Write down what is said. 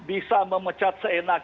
bisa memecat seenak enak